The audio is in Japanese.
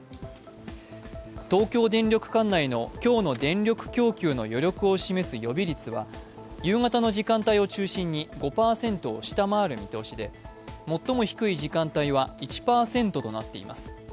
東京電力管内の今日の電力供給の余力を示す予備率は夕方の時間帯を中心に５％を下回る見通しで最も低い時間帯は１％となっています。